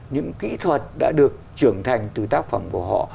những kỹ thuật đã được trưởng thành từ tác phẩm của họ